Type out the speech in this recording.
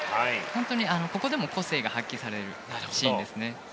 本当にここでも個性が発揮されるシーンですね。